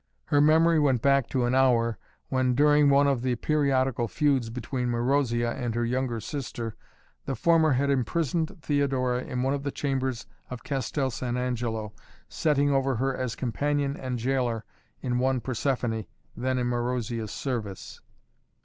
Her memory went back to an hour when, during one of the periodical feuds between Marozia and her younger sister, the former had imprisoned Theodora in one of the chambers of Castel San Angelo, setting over her as companion and gaoler in one Persephoné, then in Marozia's service.